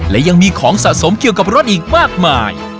และยังมีของสะสมเกี่ยวกับรถอีกมากมาย